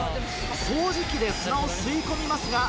掃除機で砂を吸い込みますが。